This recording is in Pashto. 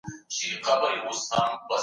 ويل سوي دي چي علم پر هر مسلمان فرض دی.